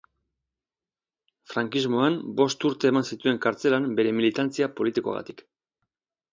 Frankismoan, bost urte eman zituen kartzelan bere militantzia politikoagatik.